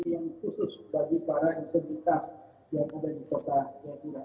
yang khusus bagi para integritas yang ada di kota jayapura